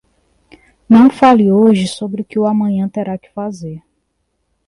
Não fale hoje sobre o que o amanhã terá que fazer.